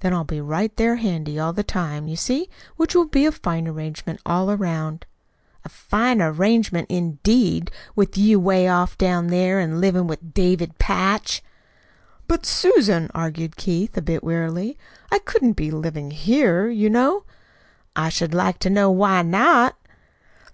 Then I'll be right there handy all the time, you see, which will be a fine arrangement all around." "A fine arrangement, indeed with you 'way off down there, an' livin' with David Patch!" "But, Susan," argued Keith, a bit wearily, "I couldn't be living here, you know." "I should like to know why not."